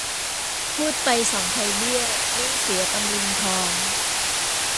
พูดไปสองไพเบี้ย นิ่งเสียตำลึงทอง